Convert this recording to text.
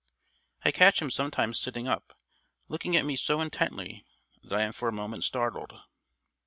I catch him sometimes sitting up looking at me so intently that I am for a moment startled...."